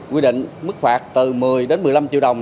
quy định mức phạt từ một mươi đến một mươi năm triệu đồng